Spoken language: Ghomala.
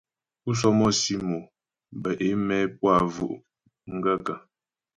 Pú sɔ́mɔ́sì mo bə é mɛ́ pú a bvʉ̀' m gaə̂kə́ ?